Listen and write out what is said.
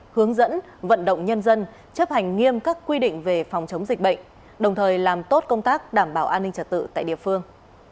hướng dẫn vận động nhân dân chấp hành nghiêm các quy định về phòng chống dịch bệnh đồng thời làm tốt công tác đảm bảo an ninh trật tự tại địa phương